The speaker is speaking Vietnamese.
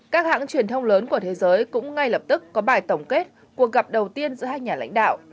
các hãng truyền thông lớn của thế giới cũng ngay lập tức có bài tổng kết cuộc gặp đầu tiên giữa hai nhà lãnh đạo